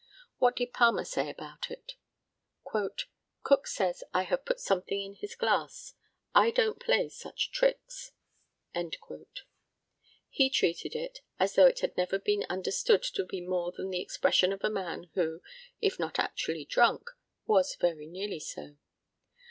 What did Palmer say about it? "Cook says I have put something in his glass. I don't play such tricks." He treated it as though it had never been understood to be more than the expression of a man who, if not actually drunk, was very nearly so.